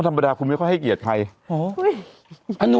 ของคุณน่ะทั้งงาน